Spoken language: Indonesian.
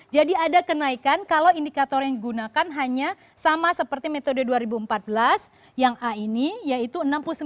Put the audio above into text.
jadi ada kenaikan kalau indikator yang digunakan hanya sama seperti metode dua ribu empat belas yang a ini yaitu enam puluh sembilan lima puluh satu